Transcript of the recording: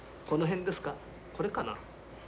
これかな？